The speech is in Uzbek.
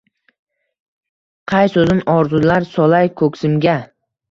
Qay yo‘sin orzular solay ko‘ksimga?!